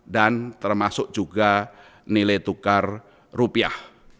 dan termasuk juga nilai tukar rupiah